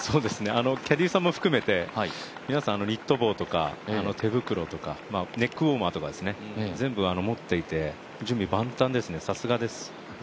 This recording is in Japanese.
キャディーさんも含めてニット帽とか手袋とかネックウオーマーとか全部持っていて、準備万端ですね、さすがです。